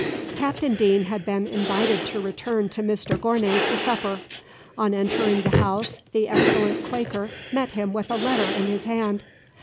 Captain Deane had been invited to return to Mr Gournay's to supper. On entering the house, the excellent quaker met him with a letter in his hand.